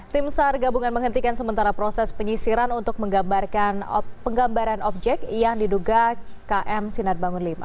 tim sar gabungan menghentikan sementara proses penyisiran untuk penggambaran objek yang diduga km sinar bangun v